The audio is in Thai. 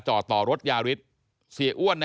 จอดต่อรถยาริสต์